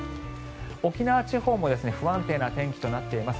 沖縄地方も不安定な天気となっています。